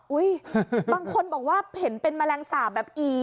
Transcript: บางคนบอกว่าเห็นเป็นแมลงสาปแบบอี